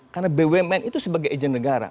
karena bumn itu sebagai agent negara